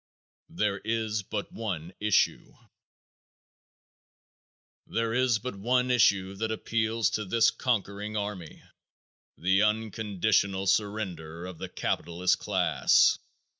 There Is But One Issue. There is but one issue that appeals to this conquering army the unconditional surrender of the capitalist class.